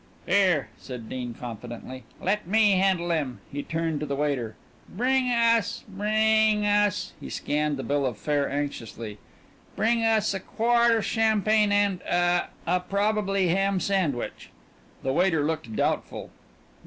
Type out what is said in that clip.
"Here!" said Dean confidently, "let me handle him." He turned to the waiter "Bring us bring us " he scanned the bill of fare anxiously. "Bring us a quart of champagne and a a probably ham sandwich." The waiter looked doubtful.